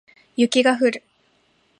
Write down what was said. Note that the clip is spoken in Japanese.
雪が降る